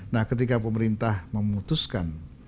nah ketika pemerintah memutuskan